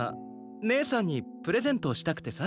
ねえさんにプレゼントしたくてさ。